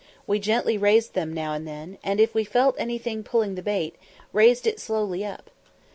We gently raised them now and then, and, if we felt anything pulling the bait, raised it slowly up.